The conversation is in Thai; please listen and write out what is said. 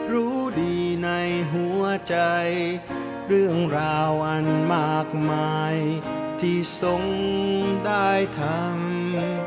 รู้ดีในหัวใจเรื่องราวอันมากมายที่ทรงได้ทำ